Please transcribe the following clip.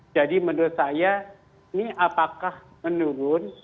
jadi menurut saya ini apakah menurun